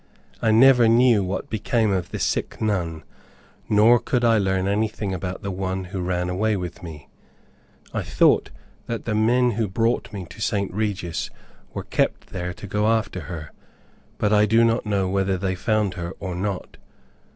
I never knew what became of the sick nun, nor could I learn anything about the one who ran away with me. I thought that the men who brought me to St. Regis, were kept there to go after her, but I do not know whether they found her or not.